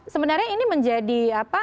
sebenarnya ini menjadi